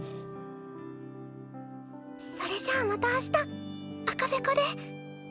それじゃあまたあした赤べこで。